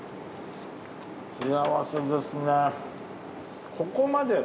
幸せですね。